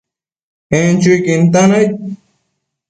En chuiquin tan aid